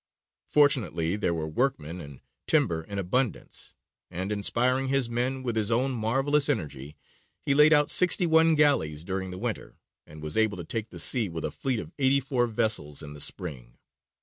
Fortunately there were workmen and timber in abundance, and, inspiring his men with his own marvellous energy, he laid out sixty one galleys during the winter, and was able to take the sea with a fleet of eighty four vessels in the spring.